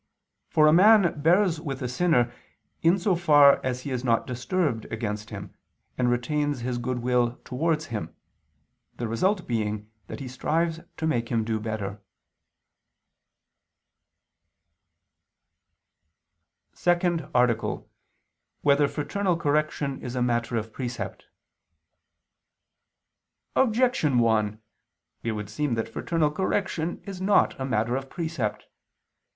For a man bears with a sinner, in so far as he is not disturbed against him, and retains his goodwill towards him: the result being that he strives to make him do better. _______________________ SECOND ARTICLE [II II, Q. 33, Art. 2] Whether Fraternal Correction Is a Matter of Precept? Objection 1: It would seem that fraternal correction is not a matter of precept.